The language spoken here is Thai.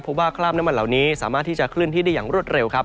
เพราะว่าคราบน้ำมันเหล่านี้สามารถที่จะเคลื่อนที่ได้อย่างรวดเร็วครับ